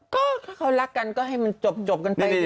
ก็ถ้าเขารักกันก็ให้มันจบกันไป